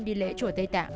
đi lễ chùa tây tạng